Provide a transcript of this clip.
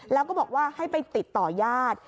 แล้วก็บอกว่าให้ไปติดต่อญาติ